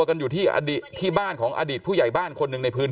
กันอยู่ที่อดีตที่บ้านของอดีตผู้ใหญ่บ้านคนหนึ่งในพื้น